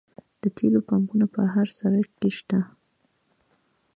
د تیلو پمپونه په هر سړک شته